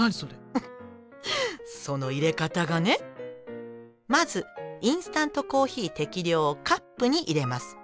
フフフそのいれ方がねまずインスタントコーヒー適量をカップに入れます。